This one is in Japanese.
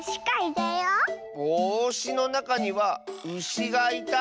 「ぼうし」のなかには「うし」がいた。